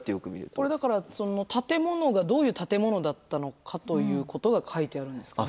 これだから建物がどういう建物だったのかということが書いてあるんですかね。